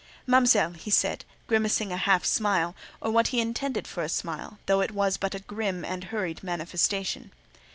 "Mademoiselle," he said, grimacing a half smile, or what he intended for a smile, though it was but a grim and hurried manifestation.